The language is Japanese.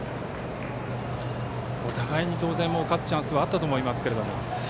お互いに当然勝つチャンスはあったと思いますけれども。